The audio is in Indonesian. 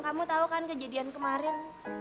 kamu tahu kan kejadian kemarin